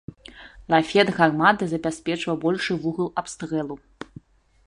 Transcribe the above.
Лафет гарматы забяспечваў большы вугал абстрэлу.